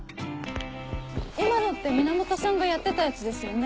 今のって源さんがやってたやつですよね。